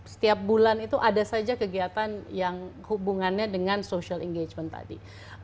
setiap bulan itu ada saja kegiatan yang hubungannya dengan social engagement tadi